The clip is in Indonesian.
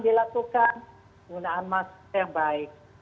dilakukan gunaan masker yang baik